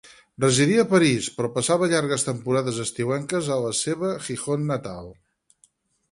Residia a París, però passava llargues temporades estiuenques en la seva Gijón natal.